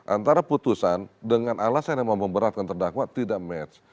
antara putusan dengan alasan yang memperberatkan terdakwa tidak match